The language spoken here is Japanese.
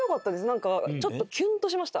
なんかちょっとキュンとしました。